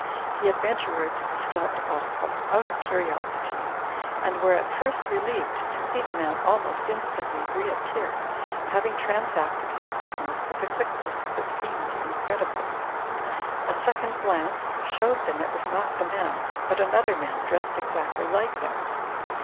The adven turers stopped also, out of curiosity, and were at first relieved to see the man almost instantly reappear, hav ing transacted his business with a quickness that seemed incredible. A second glance showed them it was not the man, but another man dressed exactly like him.